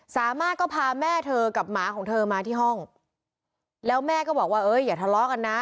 สามารถก็พาแม่เธอกับหมาของเธอมาที่ห้องแล้วแม่ก็บอกว่าเอ้ยอย่าทะเลาะกันนะ